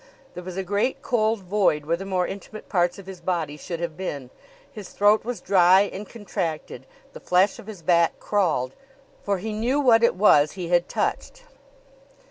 There was a great cold void where the more intimate parts of his body should have been. His throat was dry and contracted. The flesh of his back crawled, for he knew what it was he had touched.